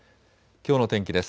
きょうの天気です。